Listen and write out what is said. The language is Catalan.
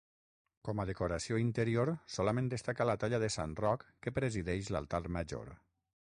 Com a decoració interior solament destaca la talla de Sant Roc que presideix l'altar major.